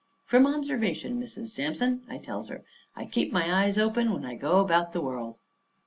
"From observation, Mrs. Sampson," I tells her. "I keep my eyes open when I go about the world."